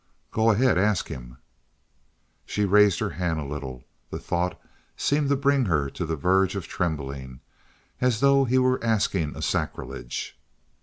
"Go ahead. Ask him." She raised her hand a little; the thought seemed to bring her to the verge of trembling, as though he were asking a sacrilege.